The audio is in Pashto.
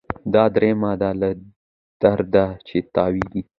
دا دریمه ده له درده چي تاویږي